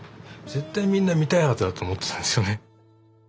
絶対みんな見たいはずだと思ってたんですよね。